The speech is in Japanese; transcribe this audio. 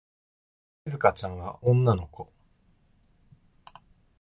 しずかちゃんは女の子。